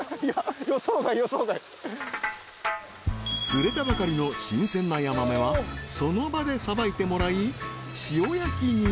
［釣れたばかりの新鮮なヤマメはその場でさばいてもらい塩焼きに］